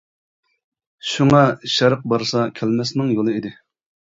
شۇڭا، شەرق بارسا كەلمەسنىڭ يولى ئىدى.